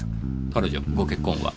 彼女ご結婚は？